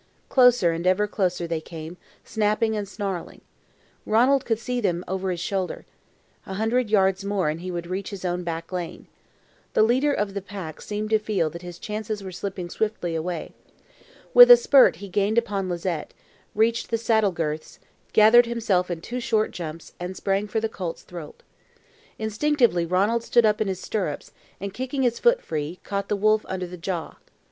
Closer and ever closer they came, snapping and snarling. Ranald could see them over his shoulder. A hundred yards more and he would reach his own back lane. The leader of the pack seemed to feel that his chances were slipping swiftly away. With a spurt he gained upon Lizette, reached the saddle girths, gathered himself into two short jumps, and sprang for the colt's throat. Instinctively Ranald stood up in his stirrups, and kicking his foot free, caught the wolf under the jaw.